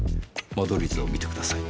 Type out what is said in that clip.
間取り図を見てください。